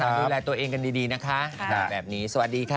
ทางลักษณะดูแลตัวเองกันดีนะคะแบบนี้สวัสดีค่ะ